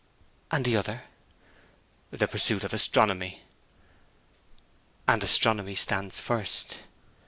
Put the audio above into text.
'And the other?' 'The pursuit of astronomy.' 'And astronomy stands first.'